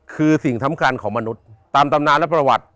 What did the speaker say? คือสิ่งสำคัญของมนุษย์ตามตำนานและประวัติ